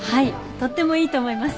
とってもいいと思います。